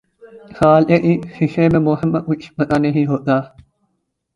سال کے اس حصے میں موسم کا کچھ پتا نہیں ہوتا